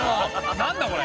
何だこれ。